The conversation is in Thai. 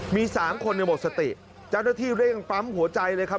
มี๓คนยังหมดสติจัดรถที่เร่งปั๊มหัวใจเลยครับ